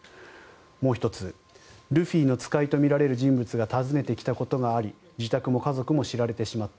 もう１つルフィの使いとみられる人物が訪ねてきたことがあり自宅も家族も知られてしまった。